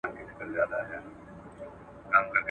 هغې وویل ځینې ورزشکاران په سړه هوا کې ښه فعالیت کوي.